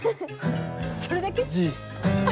それだけ？